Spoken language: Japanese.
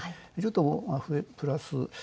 ちょっとプラス。